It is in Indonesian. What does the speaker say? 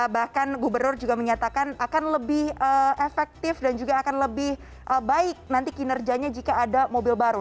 bahkan gubernur juga menyatakan akan lebih efektif dan juga akan lebih baik nanti kinerjanya jika ada mobil baru